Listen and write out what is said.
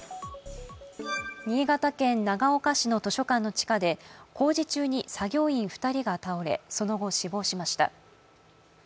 新潟県長岡市の図書館の地下で工事中に作業員２人が倒れその後、死亡しました。